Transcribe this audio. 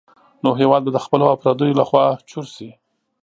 نو هېواد به د خپلو او پردیو لخوا چور شي.